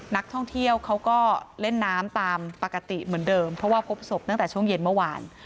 นักท่องเที่ยวเขาก็เล่นน้ำตามปกติเหมือนเดิมเพราะว่าพบศพตั้งแต่ช่วงเย็นเมื่อวาน